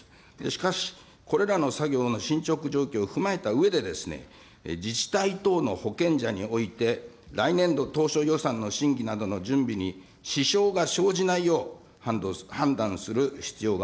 しかし、これらの作業の進捗状況を踏まえたうえでですね、自治体等の保険者において、来年度当初予算の審議の準備に支障が生じないよう判断する必要が